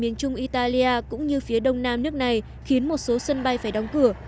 nhưng italia cũng như phía đông nam nước này khiến một số sân bay phải đóng cửa